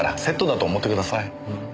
セットだと思ってください。